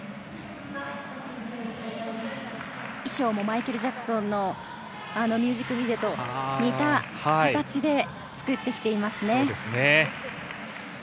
衣装もマイケル・ジャクソンのミュージックビデオと似た形で作ってきていますね。